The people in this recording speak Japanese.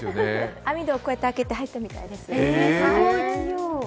網戸をこうやって開けて入ったみたいです。